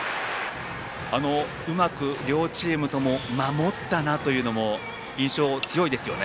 うまく両チームとも守ったなというのも印象強いですよね。